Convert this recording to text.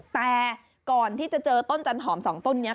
แต่ก่อนที่จะเจอต้นจันหอม๒ต้นนี้